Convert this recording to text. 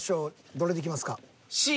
どれでいきますか？